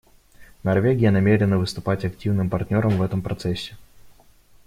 Норвегия намерена выступать активным партнером в этом процессе.